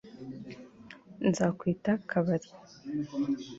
nzakwita kabari